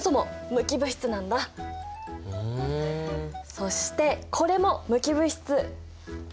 そしてこれも無機物質！